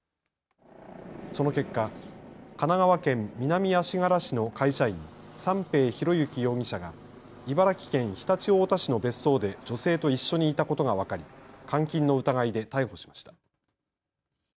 その結果、神奈川県南足柄市の会社員、三瓶博幸容疑者が茨城県常陸太田市の別荘で女性と一緒にいたことが分かり監禁の疑いで逮捕しました。